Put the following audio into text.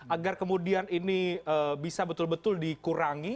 agar kemudian ini bisa betul betul dikurangi